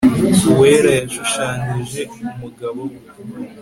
uwera yashushanyije umugabo we